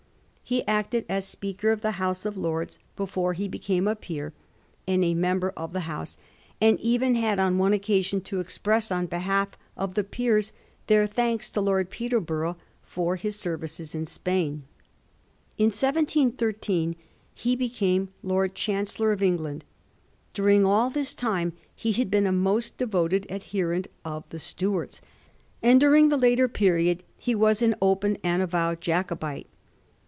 He acted as Speaker of the House of Lords before he became a peer and a member of the House, and even had on one occasion to express on behalf of the Peers their thanks to Lord Peterborough for his services in Spain. In 1713, he became Lord Chan cellor of England. During all this time he had been a most devoted adherent of the Stuarts, and during the later period he was an open and avowed Jacobite.